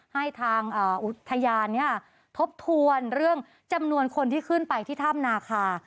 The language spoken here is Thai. ให้ทางอุทยานทบทวนเรื่องจำนวนคนที่ขึ้นไปที่ถ้ำนาคา